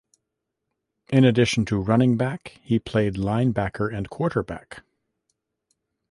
In addition to running back, he played linebacker and quarterback.